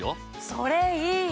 それいい！